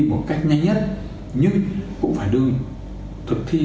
một cách nhanh nhất nhưng cũng phải đưa thực thi